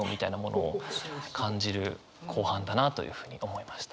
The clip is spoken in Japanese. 後半だなというふうに思いました。